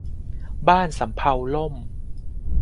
บ้านสำเภาล่ม